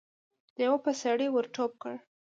لېوه په سړي ور ټوپ کړ.